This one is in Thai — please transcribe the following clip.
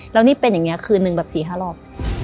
แล้วนี่เป็นอย่างนี้คืนหนึ่งแบบ๔๕รอบ